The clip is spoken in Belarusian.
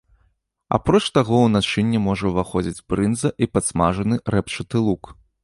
Апроч таго ў начынне можа ўваходзіць брынза і падсмажаны рэпчаты лук.